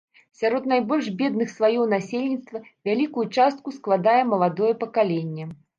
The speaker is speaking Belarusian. Сярод найбольш бедных слаёў насельніцтва вялікую частку складае маладое пакаленне.